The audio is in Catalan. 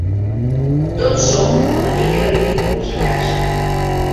Tots som una mica ridículs a casa.